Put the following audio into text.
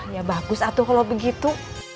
ya bagus atau kalau begitu